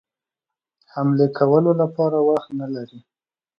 حملې کولو لپاره وخت نه لري.